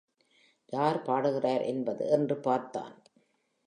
யார் பாடுகிறார் என்று பார்த்தான்.